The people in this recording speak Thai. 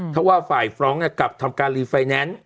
ถ้าว่าฝ่ายฟร้องกลับทำการรีไฟแนนซ์